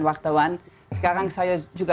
wartawan sekarang saya juga